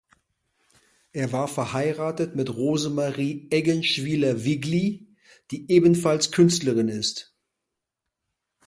Er war verheiratet mit Rosemarie Eggenschwiler-Wiggli, die ebenfalls Künstlerin ist.